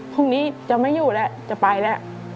พรุ่งนี้จะไม่อยู่แล้วจะไปแล้ว